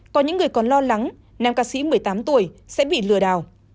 có những người còn lo lắng nam ca sĩ một mươi tám tuổi sẽ bị lừa đảo